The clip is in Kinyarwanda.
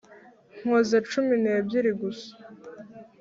Nkoze cumi n’ebyiri gusa